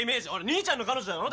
兄ちゃんの彼女だろ？